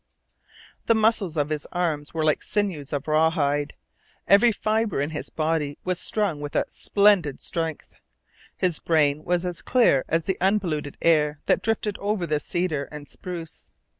The muscles of his arms were like sinews of rawhide. Every fibre in his body was strung with a splendid strength. His brain was as clear as the unpolluted air that drifted over the cedar and spruce.